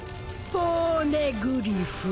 ポーネグリフ。